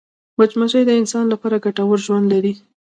مچمچۍ د انسان لپاره ګټور ژوند لري